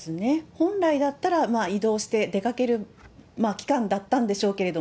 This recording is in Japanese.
本来だったら、移動して、出かける期間だったんでしょうけど、